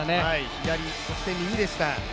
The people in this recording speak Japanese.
左、そして右でした